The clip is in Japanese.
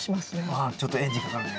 うんちょっとエンジンかかるね。